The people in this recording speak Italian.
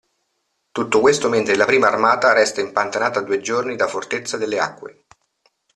Tutto questo mentre la prima armata resta impantanata a due giorni da Fortezza delle Acque.